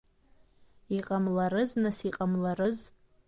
Иҟамларыз, нас, иҟамалрыз?